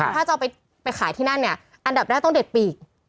ถ้าจะเอาไปขายที่นั่นอันดับหน้าต้องเด็ดปีก